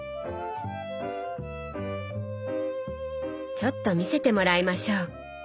ちょっと見せてもらいましょう。